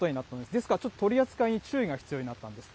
ですからちょっと取り扱いに注意が必要ということなんです。